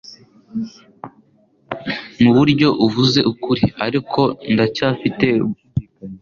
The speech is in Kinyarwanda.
Muburyo uvuze ukuri, ariko ndacyafite gushidikanya.